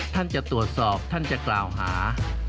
ท่านจะตรวจสอบท่านจะกล่าวหา